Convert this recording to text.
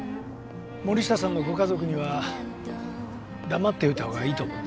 森下さんのご家族には黙っておいた方がいいと思うんだ。